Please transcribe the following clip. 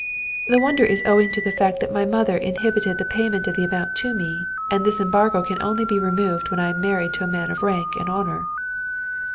"The wonder is owing to the fact that my mother inhibited the payment of the amount to me, and this embargo can only be removed when I am married to a man of rank and honour."